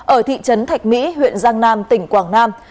ở thị trấn thạch mỹ huyện giang nam tỉnh quảng nam